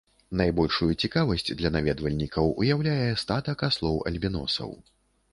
Найбольшую цікавасць для наведвальнікаў уяўляе статак аслоў-альбіносаў.